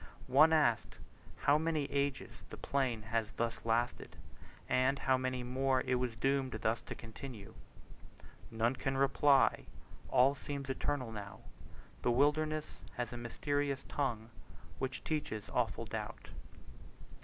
One asked how many ages the plain had thus lasted, and how many more it was doomed thus to continue. "None can reply all seems eternal now. The wilderness has a mysterious tongue, Which teaches awful doubt."